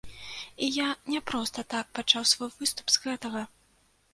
І я не проста так пачаў свой выступ з гэтага.